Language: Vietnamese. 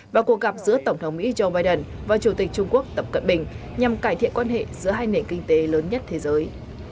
và cuộc gặp giữa tổng thống mỹ joe biden và chủ tịch trung quốc tập cận bình nhằm cải thiện quan hệ giữa hai nền kinh tế lớn nhất thế giới